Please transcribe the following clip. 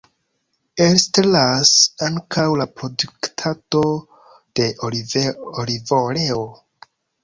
Elstaras ankaŭ la produktado de olivoleo.